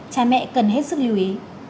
cha mẹ cần hết sức lưu ý